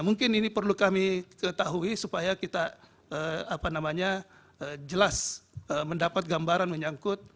mungkin ini perlu kami ketahui supaya kita jelas mendapat gambaran menyangkut